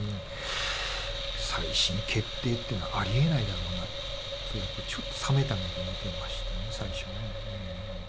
再審決定っていうのはありえないだろうなとちょっと冷めた目で見てましたね最初ね。